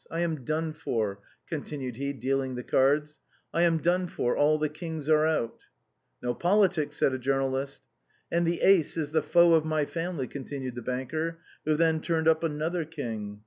I am done for," continued he, dealing the cards ; "I am done for, all the kings are out." " No politics," said a journalist. "And the ace is the foe of ray family," continued the banker, who then turned up another king.